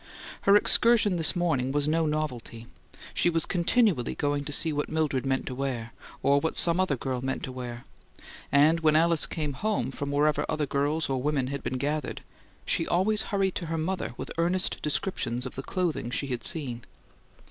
Her excursion this morning was no novelty; she was continually going to see what Mildred meant to wear, or what some other girl meant to wear; and when Alice came home from wherever other girls or women had been gathered, she always hurried to her mother with earnest descriptions of the clothing she had seen.